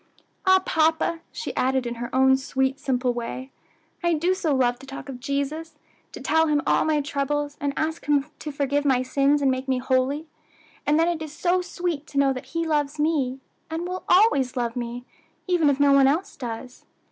"Ah, papa," she added in her own sweet, simple way, "I do so love to talk of Jesus; to tell Him all my troubles, and ask Him to forgive my sins and make me holy; and then it is so sweet to know that He loves me, and will always love me, even if no one else does."